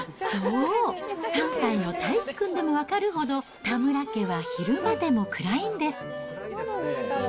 そう、３歳のたいちくんでも分かるほど、田村家は昼間でも暗いんです。